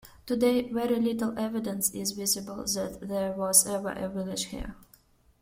Today, very little evidence is visible that there was ever a village there.